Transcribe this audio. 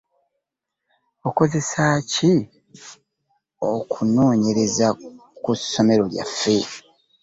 Okozesaaki okunonyereza ku somero lyaffe?